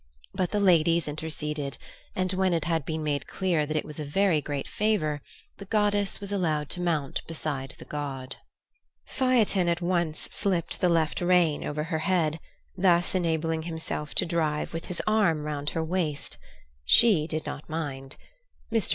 But the ladies interceded, and when it had been made clear that it was a very great favour, the goddess was allowed to mount beside the god. Phaethon at once slipped the left rein over her head, thus enabling himself to drive with his arm round her waist. She did not mind. Mr.